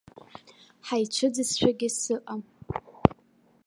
Ҳаицәыӡызшәагьы сыҟам.